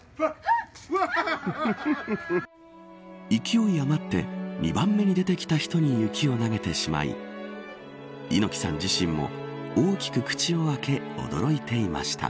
勢い余って２番目に出てきた人に雪を投げてしまい猪木さん自身も大きく口を開け驚いていました。